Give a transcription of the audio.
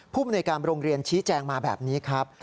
ภูมิในการโรงเรียนชี้แจงมาแบบนี้ครับ